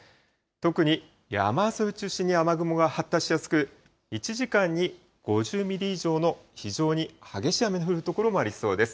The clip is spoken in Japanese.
特に山沿いを中心に雨雲が発達しやすく、１時間に５０ミリ以上の非常に激しい雨の降る所もありそうです。